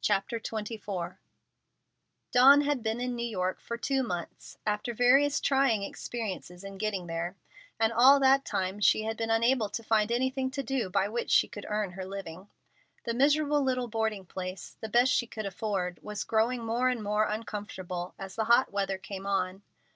CHAPTER XXIV Dawn had been in New York two months, after various trying experiences in getting there, and all that time she had been unable to find anything to do by which she could earn her living. The miserable little boarding place, the best she could afford, was growing more and more uncomfortable as the hot weather came on.